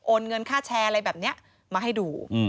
เงินค่าแชร์อะไรแบบนี้มาให้ดู